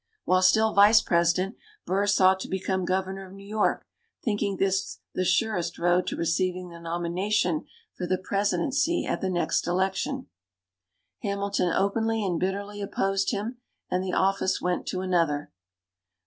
While still Vice President, Burr sought to become Governor of New York, thinking this the surest road to receiving the nomination for the Presidency at the next election. Hamilton openly and bitterly opposed him, and the office went to another.